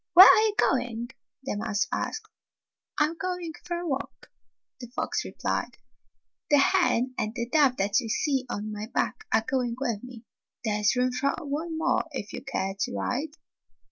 "Where are you going?" the mouse asked. "I 'm going for a walk," the fox replied. "The hen and the dove that you see on my back are going with me. There 's room for one more if you care to ride."